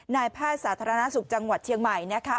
นายแพทย์สาธารณสุขจังหวัดเชียงใหม่นะคะ